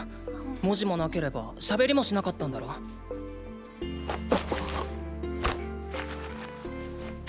文字もなければ喋りもしなかったんだろう？っ！